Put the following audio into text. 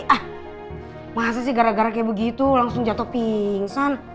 ah makasih sih gara gara kayak begitu langsung jatuh pingsan